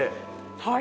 はい。